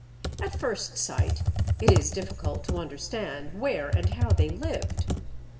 At first sight it is difficult to understand where and how they lived.